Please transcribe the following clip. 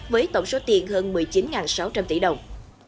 với tổng số tiền hơn một mươi chín sáu trăm linh tỷ đồng